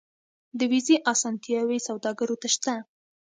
د ویزې اسانتیاوې سوداګرو ته شته